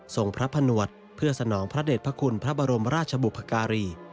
ส่งพระผนวดเพื่อสนองพระเด็จพระคุณพระบรมราชบุพการี